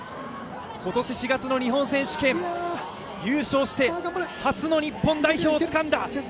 今年４月の日本選手権、優勝して初の日本代表をつかんだ。